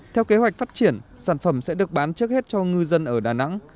theo kế hoạch phát triển sản phẩm sẽ được bán trước hết cho ngư dân ở đà nẵng